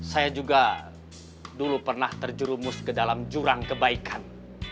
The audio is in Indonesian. saya juga dulu pernah terjerumus ke dalam jurang kebaikan